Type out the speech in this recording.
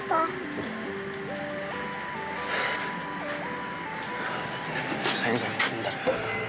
kalau saya ikut istedi masih jalan duit